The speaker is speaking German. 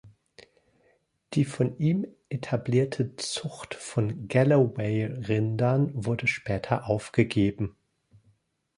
Die von ihm etablierte Zucht von Galloway-Rindern wurde später aufgegeben.